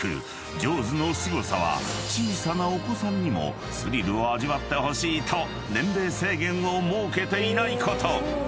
ＪＡＷＳのすごさは小さなお子さんにもスリルを味わってほしいと年齢制限を設けていないこと］